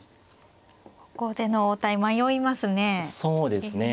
後手の応対迷いますね。